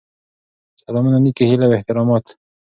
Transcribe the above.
سلامونه نیکې هیلې او احترامات.